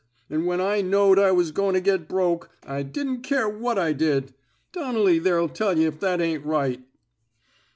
An' when I knowed I was goin' to get broke, I didn't care what I did. Donnelly there'll tell ynh if that ain't right."